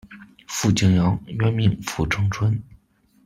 傅景阳，原名傅成春。